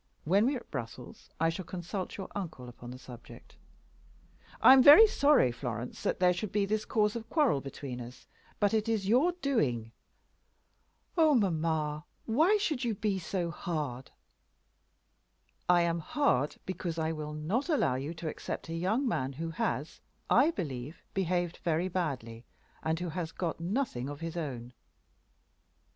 When we are at Brussels I shall consult your uncle upon the subject. I am very sorry, Florence, that there should be this cause of quarrel between us; but it is your doing." "Oh, mamma, why should you be so hard?" "I am hard, because I will not allow you to accept a young man who has, I believe, behaved very badly, and who has got nothing of his own."